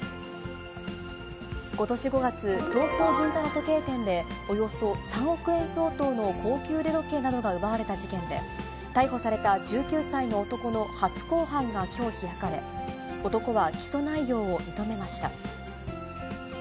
ことし５月、東京・銀座の時計店で、およそ３億円相当の高級腕時計などが奪われた事件で、逮捕された１９歳の男の初公判がきょう開かれ、男は起訴内容を認めました。